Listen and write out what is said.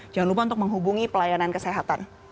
jangan lupa untuk menghubungi pelayanan kesehatan